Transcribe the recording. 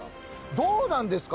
どうなんですか？